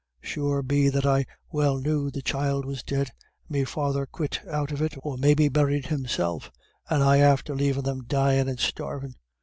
Sure be that I well knew the child was dead, and me father quit out of it, or maybe buried himself, and I after lavin' them dyin' and starvin'.